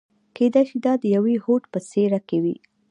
کېدای شي دا د يوه هوډ په څېره کې وي.